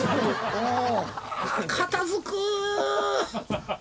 うん。